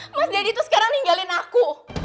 mas deddy tuh sekarang ninggalin aku